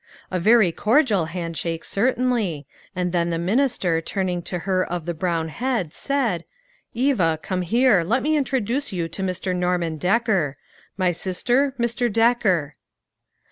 A very cordial hand shake, certainly, and then the minister turning to her of the brown head, said, " Eva, come here ; let me introduce you to Mr. Norman Decker. My sister, Mr. Decker."